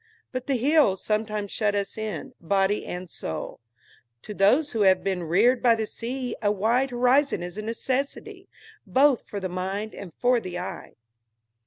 But the hills sometimes shut us in, body and soul. To those who have been reared by the sea a wide horizon is a necessity, both for the mind and for the eye.